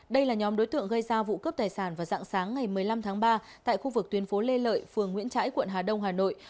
đây là nhóm đối tượng gây ra vụ cướp tài sản vào dạng sáng ngày một mươi năm tháng ba tại khu vực tuyến phố lê lợi phường nguyễn trãi quận hà đông hà nội